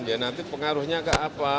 nanti pengaruhnya ke apa